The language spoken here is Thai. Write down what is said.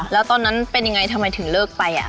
แล้วตอนนั้นเป็นยังไงทำไมถึงเลิกไป